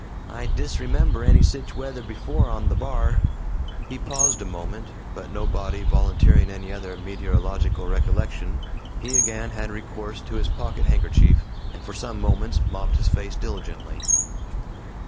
I disremember any sich weather before on the Bar." He paused a moment, but nobody volunteering any other meteorological recollection, he again had recourse to his pocket handkerchief, and for some moments mopped his face diligently.